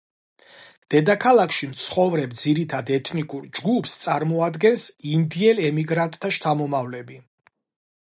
დედაქალაქში მცხოვრებ ძირითად ეთნიკურ ჯგუფს წარმოადგენს ინდიელ ემიგრანტთა შთამომავლები.